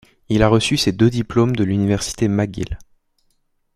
Il a reçu ses deux diplômes de l'Université McGill.